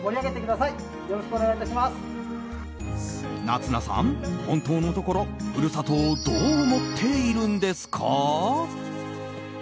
夏菜さん、本当のところ故郷をどう思っているんですか。